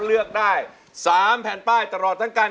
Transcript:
เลือกได้๓แผ่นป้ายตลอดกัน